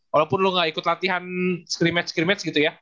walaupun lo gak ikut latihan scrimmage scrimmage gitu ya